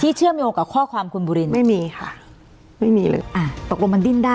ที่เชื่อมโยงกับข้อความของคุณบุริน